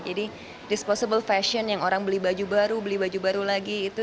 jadi disposable fashion yang orang beli baju baru beli baju baru lagi itu